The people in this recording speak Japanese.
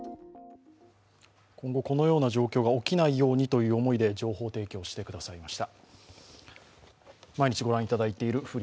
今後このような状況が起きないようにという思いで情報提供してくださいました。